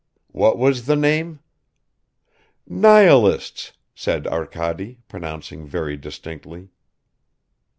. what was the name?" "Nihilists," said Arkady, pronouncing very distinctly.